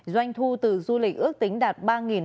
doanh thu từ du lịch ước tính đạt